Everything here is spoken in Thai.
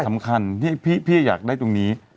สำคัญที่พี่อยากได้ตรงนี้